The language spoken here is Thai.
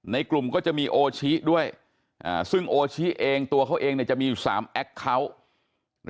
ในกลุ่มก็จะมีโอชิด้วยซึ่งโอชิเองตัวเขาเองจะมีอยู่๓แอคเคาน์